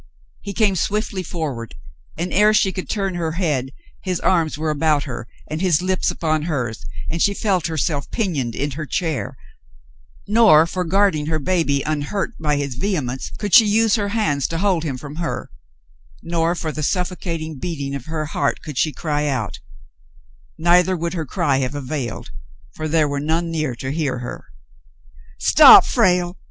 He came swiftly forward and, ere she could turn her head, his arms were about her, and his lips upon hers, and she felt herself pinioned in her chair — nor, for guarding her baby unhurt by his vehemence, could she use her hands to hold him from her ; nor for the suffocating beating of her heart could she cry out ; neither would her cry have availed, for there were none near to hear her. "Stop, Frale